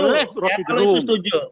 objeknya adalah presiden